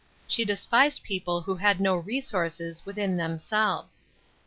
She despised people who had no resources within themselves.